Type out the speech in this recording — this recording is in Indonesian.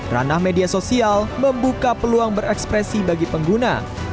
ranah media sosial membuka peluang berekspresi bagi pengguna